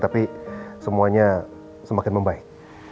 tapi semuanya semakin membaik